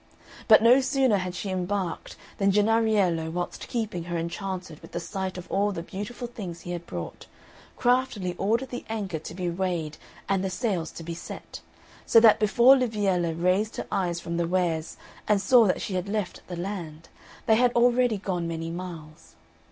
But no sooner had she embarked than Jennariello, whilst keeping her enchanted with the sight of all the beautiful things he had brought, craftily ordered the anchor to be weighed and the sails to be set, so that before Liviella raised her eyes from the wares and saw that she had left the land, they had already gone many miles.